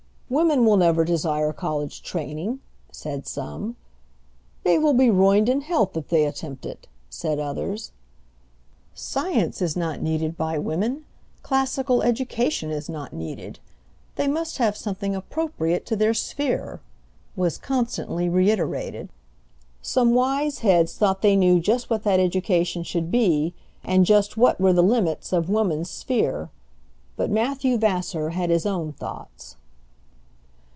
"Women will never desire college training," said some. "They will be ruined in health, if they attempt it," said others. "Science is not needed by women; classical education is not needed; they must have something appropriate to their sphere," was constantly reiterated. Some wise heads thought they knew just what that education should be, and just what were the limits of woman's sphere; but Matthew Vassar had his own thoughts.